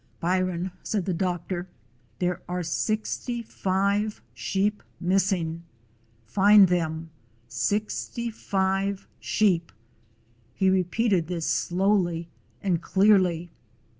"Byron," said the doctor, "there are sixty five sheep missing. Find them — sixty five sheep !" He repeated this slowly and clearly.